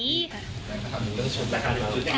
มันเป็นเรื่องสมธนาค่ะ